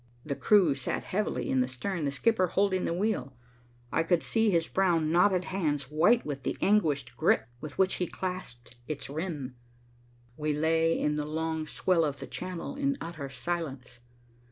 The crew sat heavily in the stern, the skipper holding the wheel. I could see his brown, knotted hands white with the anguished grip with which he clasped its rim. We lay in the long swell of the Channel in utter silence.